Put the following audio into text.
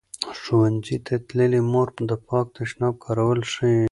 ښوونځې تللې مور د پاک تشناب کارول ښيي.